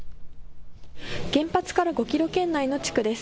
原発から５キロ圏内の地区です。